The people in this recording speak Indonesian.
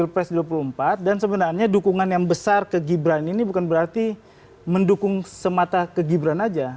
sebenarnya ini adalah elementum anak muda ya di pilpres dua ribu dua puluh empat dan sebenarnya dukungan yang besar ke gibran ini bukan berarti mendukung semata ke gibran aja